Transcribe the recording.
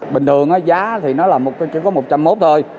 bình thường giá thì nó là chỉ có một trăm linh mốt thôi